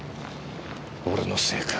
俺のせいか。